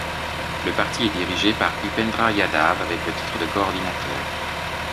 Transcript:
Le parti est dirigé par Upendra Yadav, avec le titre de coordinateur.